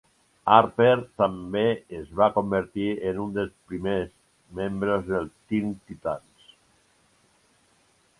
Harper també es va convertir en un dels primers membres dels Teen Titans.